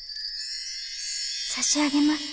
差し上げます。